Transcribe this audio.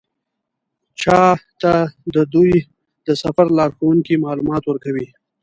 چا ته د دوی د سفر لارښوونکي معلومات ورکوي.